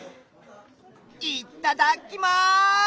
いっただっきます！